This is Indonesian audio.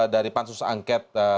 dari pansus angket